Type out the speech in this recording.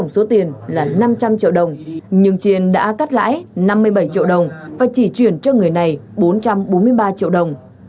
số tiền là năm trăm linh triệu đồng nhưng chiên đã cắt lãi năm mươi bảy triệu đồng và chỉ chuyển cho người này bốn trăm bốn mươi ba triệu đồng